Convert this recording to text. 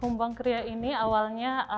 humbang kria ini awalnya